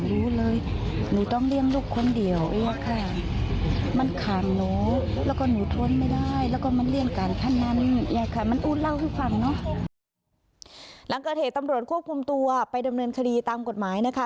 หลังเกิดเหตุตำรวจควบคุมตัวไปดำเนินคดีตามกฎหมายนะคะ